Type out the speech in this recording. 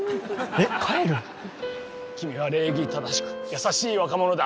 君は礼儀正しく優しい若者だ。